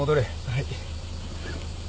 はい。